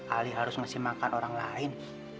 ali harus ngasih makan orang lain